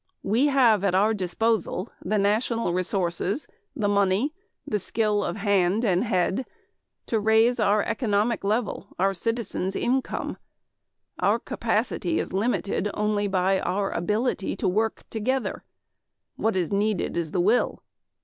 "We have at our disposal the national resources, the money, the skill of hand and head to raise our economic level our citizens' income. Our capacity is limited only by our ability to work together. What is needed is the will.